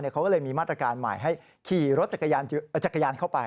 เขาก็เลยมีมาตรการใหม่ให้ขี่รถจักรยานเข้าไป